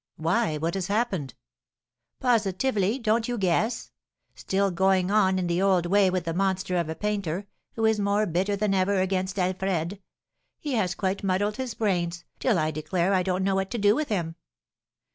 "Why, what has happened?" "Positively, don't you guess? Still going on in the old way with that monster of a painter, who is more bitter than ever against Alfred. He has quite muddled his brains, till I declare I don't know what to do with him."